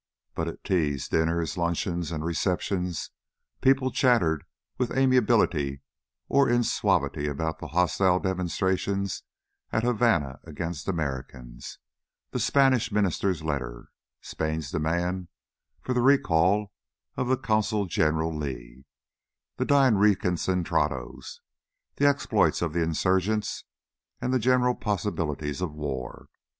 But at teas, dinners, luncheons, and receptions people chattered with amiability or in suavity about the hostile demonstrations at Havana against Americans, the Spanish Minister's letter, Spain's demand for the recall of Consul General Lee, the dying reconcentrados, the exploits of the insurgents, and the general possibilities of war.